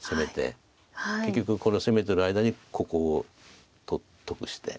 結局これ攻めてる間にここを得して。